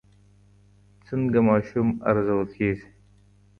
څنګه ماشوم ارزول کېږي؟